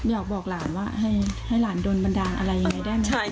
อยากบอกหลานว่าให้หลานโดนบันดาลอะไรยังไงได้ไหม